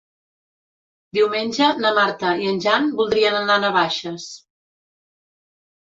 Diumenge na Marta i en Jan voldrien anar a Navaixes.